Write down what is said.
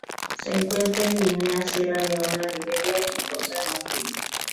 Se encuentra en Guinea, Sierra Leona, Liberia y Costa de Marfil.